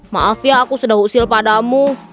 maaf ya aku sudah usil padamu